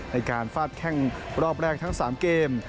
ในการฟาดแค่งรอบแรกทั้ง๓เกม